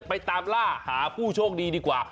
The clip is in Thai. ไปตามล่าหาผู้โชคดีดีกว่า